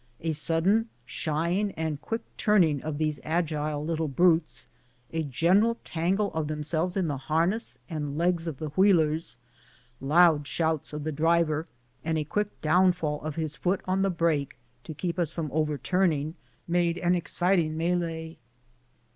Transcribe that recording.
A sudden shying and quick turning of these agile little brutes, a general tan gle of themselves in the harness and legs of the wheelers, loud shouts of the driver, and a quick downfall of his foot on the brake, to keep us from overturning, made an exciting melee.